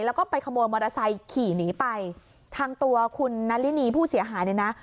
แล้วก็ไปขโมยมอเตอร์ไซค์ขี่หนีไปทางตัวคุณนารินีผู้เสียหายเนี่ยนะ